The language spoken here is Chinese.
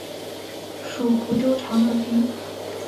属福州长乐郡。